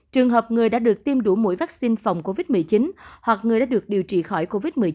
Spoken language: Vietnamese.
trường hợp người đã được tiêm đủ mũi vaccine phòng covid một mươi chín hoặc người đã được điều trị khỏi covid một mươi chín